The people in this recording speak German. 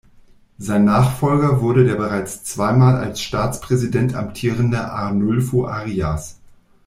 Sein Nachfolger wurde der bereits zweimal als Staatspräsident amtierende Arnulfo Arias.